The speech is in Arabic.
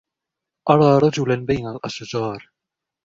أرى رجلا بين الأشجار.